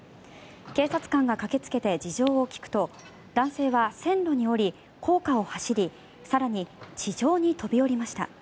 警察官が駆けつけて事情を聴くと男性は線路に下り高架を走り更に、地上に飛び降りました。